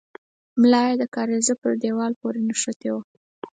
ملا يې د کارېزه پر دېوال پورې نښتې وه.